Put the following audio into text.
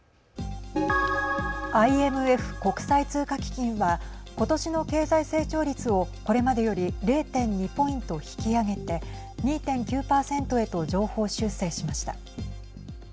ＩＭＦ＝国際通貨基金は今年の経済成長率をこれまでより０．２ポイント引き上げて２．９％へと上方修正しました。